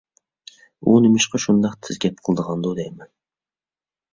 ئۇ نېمىشقا شۇنداق تېز گەپ قىلىدىغاندۇ دەيمەن؟